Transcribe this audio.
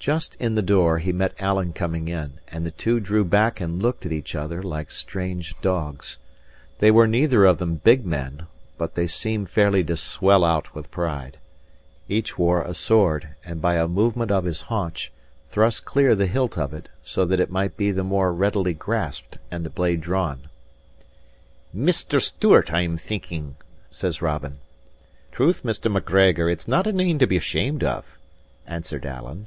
Just in the door, he met Alan coming in; and the two drew back and looked at each other like strange dogs. They were neither of them big men, but they seemed fairly to swell out with pride. Each wore a sword, and by a movement of his haunch, thrust clear the hilt of it, so that it might be the more readily grasped and the blade drawn. "Mr. Stewart, I am thinking," says Robin. "Troth, Mr. Macgregor, it's not a name to be ashamed of," answered Alan.